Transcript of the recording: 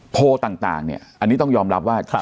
โพลต่างต่างเนี่ยอันนี้ต้องยอมรับว่าครับ